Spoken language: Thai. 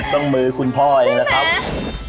ต้องมือคุณพ่อเองนะครับ